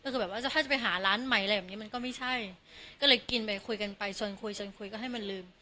ก็คือแบบว่าถ้าจะไปหาร้านใหม่อะไรแบบนี้มันก็ไม่ใช่ก็เลยกินไปคุยกันไปชวนคุยชวนคุยก็ให้มันลืม